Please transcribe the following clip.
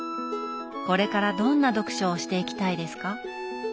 これからどんな読書をしていきたいですか？